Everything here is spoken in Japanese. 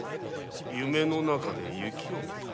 夢の中で雪を見た。